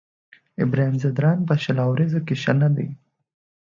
ابراهيم ځدراڼ په شل اوريزو کې ښه نه دی.